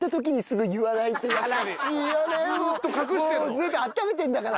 ずっとあっためてるんだから。